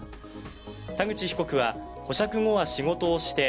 田口被告は、保釈後は仕事をして